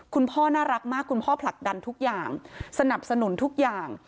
คุณพ่อน่ารักมากคุณพ่อผลักดันทุกอย่างสนับสนุนทุกอย่าง